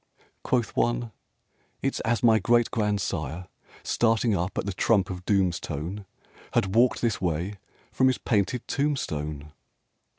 Quoth one: "It's as my great grandsire, Starting up at the Trump of Doom's tone, Had walked this way from his painted tombstone!"